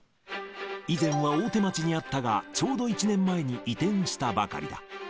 以前は大手町にあったが、ちょうど１年前に移転したばかりだ。